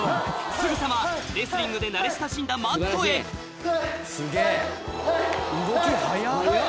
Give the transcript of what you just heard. すぐさまレスリングで慣れ親しんだマットへすげぇ動き速っ！